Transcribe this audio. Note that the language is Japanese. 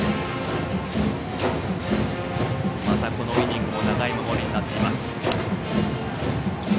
また、このイニングも長い守りになっています。